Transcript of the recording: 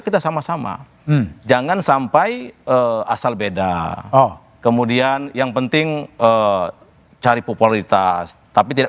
kita sama sama jangan sampai asal beda kemudian yang penting cari popularitas tapi tidak